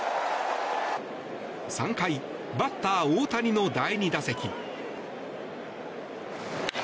３回、バッター大谷の第２打席。